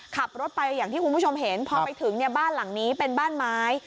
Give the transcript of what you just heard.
ขับรถไปอย่างที่คุณผู้ชมเห็นพอไปถึงเนี่ยบ้านหลังนี้เป็นบ้านไม้